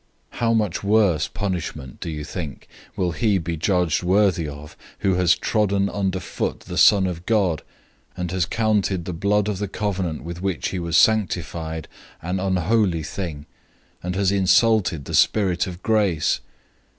010:029 How much worse punishment, do you think, will he be judged worthy of, who has trodden under foot the Son of God, and has counted the blood of the covenant with which he was sanctified an unholy thing, and has insulted the Spirit of grace?